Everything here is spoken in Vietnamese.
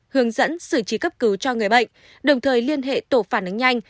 hướng dẫn xử trí cấp cứu cho người bệnh đồng thời liên hệ tổ phản ứng nhanh